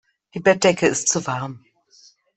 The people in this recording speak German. Die Bettdecke ist zu warm.